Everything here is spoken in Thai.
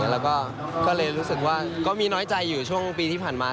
แล้วก็ก็เลยรู้สึกว่าก็มีน้อยใจอยู่ช่วงปีที่ผ่านมา